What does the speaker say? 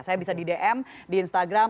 saya bisa di dm di instagram